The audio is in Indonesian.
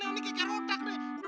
ini gg rotak